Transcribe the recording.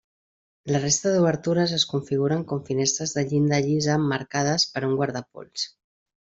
La resta d'obertures es configuren com finestres de llinda llisa emmarcades per un guardapols.